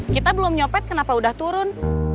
kita belum nyopet kenapa udah turun